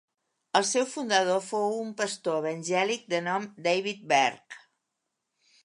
El seu fundador fou un pastor evangèlic de nom David Berg.